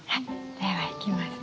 ではいきますね。